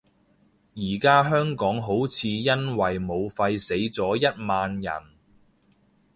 而家香港好似因為武肺死咗一萬人